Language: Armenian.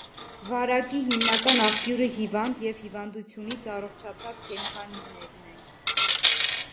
Վարակի հիմնական աղբյուրը հիվանդ և հիվանդությունից առողջացած կենդանիներն են։